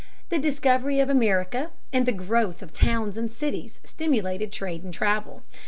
The discovery of America and the growth of towns and cities stimulated trade and travel.